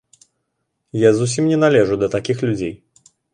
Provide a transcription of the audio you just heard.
Я зусім не належу да такіх людзей!